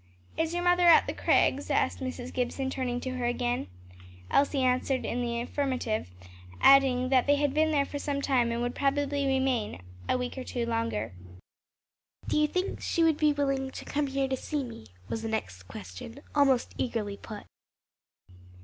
"Is your mother at the Crags?" asked Mrs. Gibson turning to her again. Elsie answered in the affirmative, adding that they had been there for some time and would probably remain a week or two longer. "Do you think she would be willing to come here to see me?" was the next question, almost eagerly put.